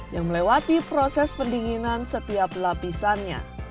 yang melewati proses pendinginan setiap lapisannya